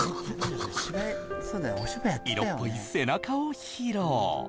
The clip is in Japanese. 色っぽい背中を披露。